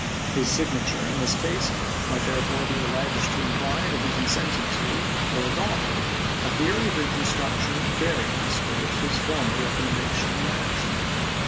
His signature in this case might therefore be alleged to imply that he consented to or adopted a theory of reconstruction at variance with his former recommendation and action.